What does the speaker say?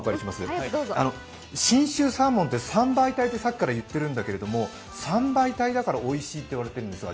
信州サーモンって三倍体とさっきから言っているんだけれども、三倍体だからおいしいっていわれているんですが、